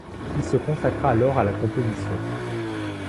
Il se consacra alors à la composition.